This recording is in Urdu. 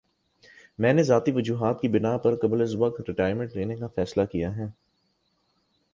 میں نے ذاتی وجوہات کی بِنا پر قبلازوقت ریٹائرمنٹ لینے کا فیصلہ کِیا ہے